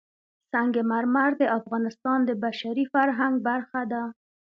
سنگ مرمر د افغانستان د بشري فرهنګ برخه ده.